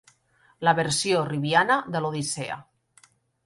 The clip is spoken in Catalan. La versió ribiana de l'"Odissea".